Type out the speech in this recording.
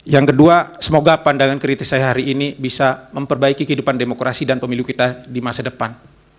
yang kedua semoga pandangan kritis saya hari ini bisa memperbaiki kehidupan demokrasi dan pemilu kita di masa depan